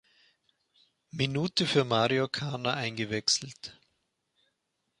Minute für Mario Karner eingewechselt.